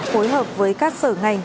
phối hợp với các sở ngành